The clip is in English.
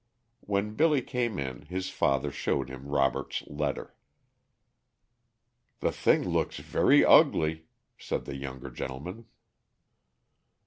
When Billy came in his father showed him Robert's letter. "The thing looks very ugly," said the younger gentleman.